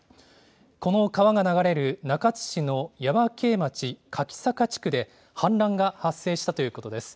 この川が流れる中津市の耶馬渓町柿坂地区で、氾濫が発生したということです。